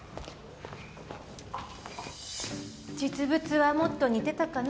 実物はもっと似てたかな。